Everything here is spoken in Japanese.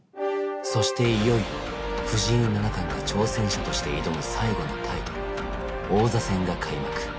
そしていよいよ藤井七冠が挑戦者として挑む最後のタイトル王座戦が開幕。